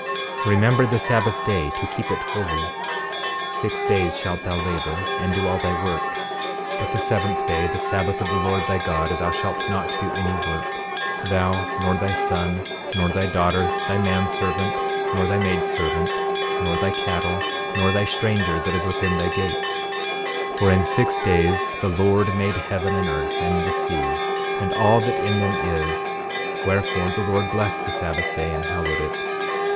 13:16 Remember the sabbath day, to keep it holy. 13:17 Six days shalt thou labor, and do all thy work; 13:18 But the seventh day, the sabbath of the Lord thy God, thou shalt not do any work, thou, nor thy son, nor thy daughter, thy man servant, nor thy maid servant, nor thy cattle, nor thy stranger that is within thy gates; 13:19 For in six days the Lord made heaven and earth, and the sea, and all that in them is; wherefore the Lord blessed the sabbath day, and hallowed it.